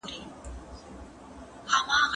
ځوانان څنګه کولای سي په سياست کي رغنده ونډه واخلي؟